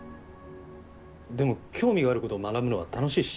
でも興味があることを学ぶのは楽しいし。